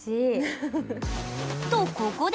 とここで！